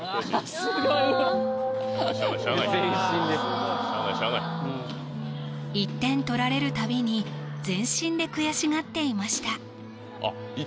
すごい全身でしゃあない１点取られる度に全身で悔しがっていました